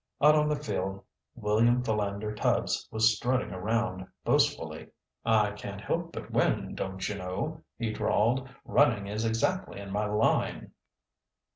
Out on the field William Philander Tubbs was strutting around boastfully. "I can't help but win, don't you know," he drawled. "Running is exactly in my line."